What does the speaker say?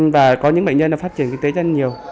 và có những bệnh nhân đã phát triển kinh tế rất là nhiều